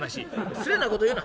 「失礼なこと言うな。